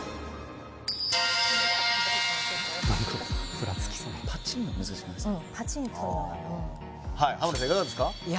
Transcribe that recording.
フラつきそうパチンが難しくないですか？